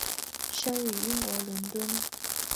生于英国伦敦。